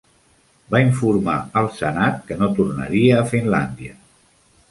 Va informar al Senat que no tornaria a Finlàndia.